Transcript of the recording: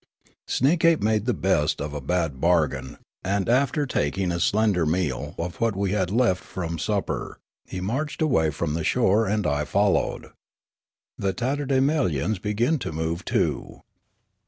Sneekape made the best of a bad bargain and, after taking a slender meal of what we had left from supper, he marched away from the shore and I fol lowed. The tatterdemalions began to move too.